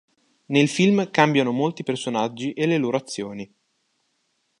Nel film cambiano molti personaggi e le loro azioni.